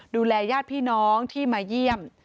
ญาติพี่น้องที่มาเยี่ยม